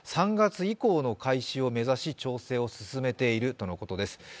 ３月以降の開始を目指し調整を進めているということのようです。